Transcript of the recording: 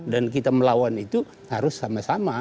dan kita melawan itu harus sama sama